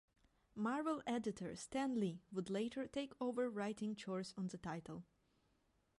Marvel editor Stan Lee would later take over writing chores on the title.